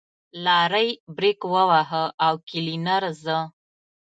لارۍ برېک وواهه او کلينر زه.